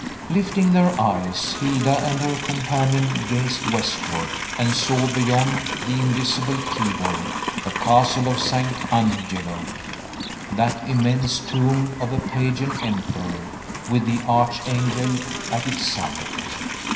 Lifting their eyes, Hilda and her companion gazed westward, and saw beyond the invisible Tiber the Castle of St. Angelo; that immense tomb of a pagan emperor, with the archangel at its summit.